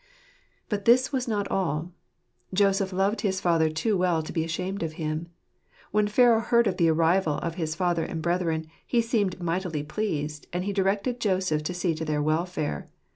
But this was not all. Joseph loved his father too well to be ashamed of him. When Pharaoh heard of the arrival of his father and brethren, he seemed mightily pleased, and he directed Joseph to see to their welfare.